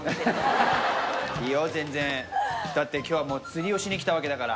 いいよ全然だって今日はもう釣りをしに来たわけだから。